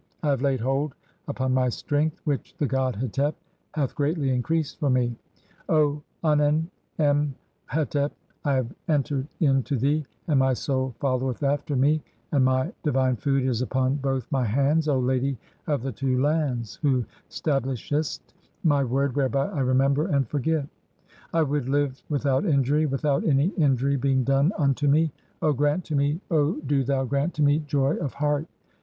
"I have laid hold upon my strength which the god Hetep hath "greatly increased for me. O Unen em hetep, 2 I have entered "in to thee and my soul (29) followeth after me, and my di "vine food is upon both my hands, O Lady of the two lands, 3 "who stablishest my word whereby I remember and forget ; (3o) "I would live without injury, without any injury [being done] "unto me, O grant to me, O do thou grant to me, joy of heart.